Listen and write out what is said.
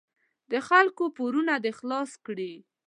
د خلکو پورونه دې خلاص کړي.